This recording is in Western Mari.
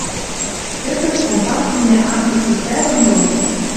Кӹзӹт компартийнӓ анзык виктӓрӹм дон